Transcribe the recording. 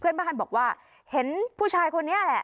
เพื่อนบ้านบอกว่าเห็นผู้ชายคนนี้แหละ